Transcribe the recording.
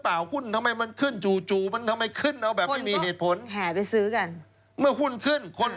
ปั่นหุ้นขายได้ดีนะฮะคุณนิวอยากทราบไหมว่าตลาดหลักทรัพย์เขาปั่นกันอย่างไร